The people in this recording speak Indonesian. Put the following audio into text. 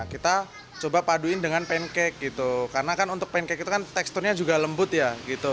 kita coba paduin dengan pancake gitu karena kan untuk pancake itu kan teksturnya juga lembut ya gitu